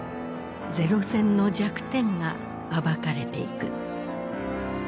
零戦の弱点が暴かれていく。